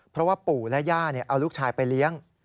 เพราะว่าปู่และย่าเอาลูกชายไปเลี้ยง